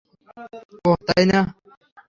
ওহ, তাই না?